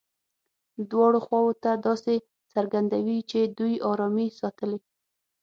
دواړو خواوو ته داسې څرګندوي چې دوی ارامي ساتلې.